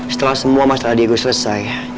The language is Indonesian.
setelah semua masalah diego selesai